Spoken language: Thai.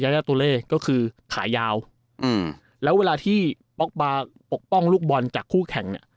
ยายาตุเล่ก็คือขายาวแล้วเวลาที่ป๊อกป๊าปกป้องลูกบอลจากคู่แข่ง